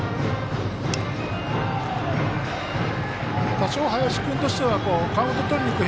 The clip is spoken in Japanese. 多少、林君としてはカウントをとりにくる